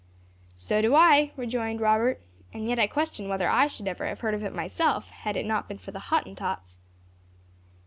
"So do I," rejoined Robert; "and yet I question whether I should ever have heard of it myself, had it not been for the Hottentots."